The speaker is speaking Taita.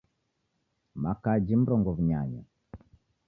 Makaji mrongo w'unyanya